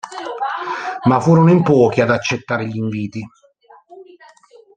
Ma furono in pochi ad accettare gli inviti.